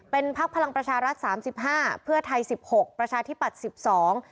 เป็นพักพลังประชารัฐสามสิบห้าเพื่อไทยสิบหกประชาธิปัตย์สิบสอง